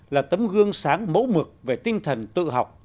là tấm gương sáng mẫu mực về tinh thần tự học